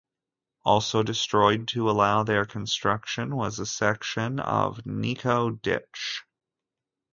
Also destroyed to allow their construction was a section of Nico Ditch.